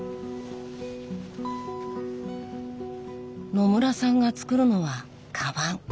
野村さんが作るのはかばん。